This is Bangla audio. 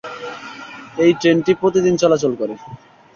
এই ট্রেনটি প্রতিদিন চলাচল করে।